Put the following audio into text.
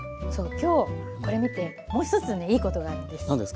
今日これ見てもう一つねいいことがあるんです。